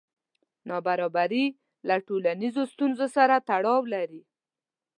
نابرابري له ټولنیزو ستونزو سره تړاو لري.